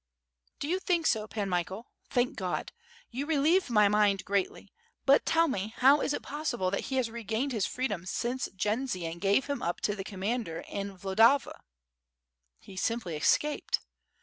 '^ "Do you think so. Pan Michael? Thank God. You re lieve my mind greatly, but tell, me how is it possible that he has regained his freedom since Jendzian gave him up to the commander in Vlodava." "He simply escaped."